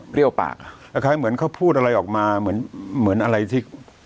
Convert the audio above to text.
เรียกปากคล้ายเหมือนเขาพูดอะไรออกมาเหมือนเหมือนอะไรที่